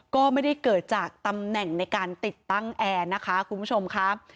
ก็ไม่ได้เกิดจากตำแหน่งในการติดตั้งแอร์นะคะคุณผู้ชมครับ